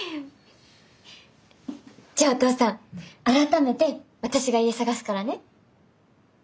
じゃあお父さん改めて私が家探すからね。